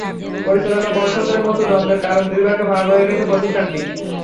পরিচালনা পর্ষদের মধ্যে দ্বন্দ্বের কারণে দুই ভাগে ভাগ হয়ে গেছে প্রতিষ্ঠানটি।